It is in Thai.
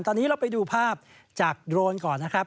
ตอนนี้เราไปดูภาพจากโดรนก่อนนะครับ